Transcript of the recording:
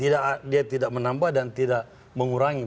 dia tidak menambah dan tidak mengurangi